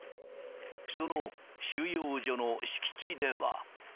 その収容所の敷地では。